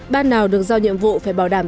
ban nào được giao nhiệm vụ phải bảo đảm